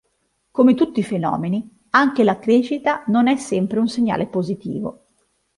Come tutti i fenomeni anche la crescita non è sempre un segnale positivo.